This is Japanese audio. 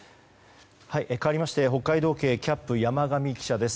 かわりまして北海道警キャップの山上記者です。